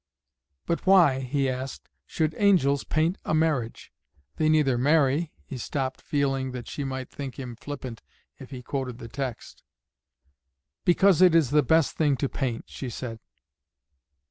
"But why," he asked, "should angels paint a marriage? They neither marry " He stopped, feeling that she might think him flippant if he quoted the text. "Because it is the best thing to paint," she said.